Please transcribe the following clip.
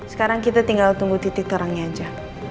sekarang kita tinggal tunggu titik terangnya aja